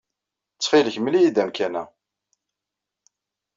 Ttxil-k, mel-iyi-d amkan-a.